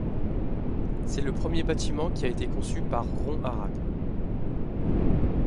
C'est le premier bâtiment qui a été conçu par Ron Arad.